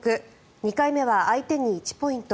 ２回目は相手に１ポイント